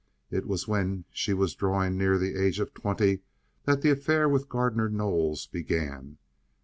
It was when she was drawing near the age of twenty that the affair with Gardner Knowles began.